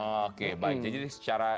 oke baik jadi secara